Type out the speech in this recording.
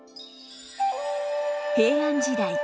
平安時代。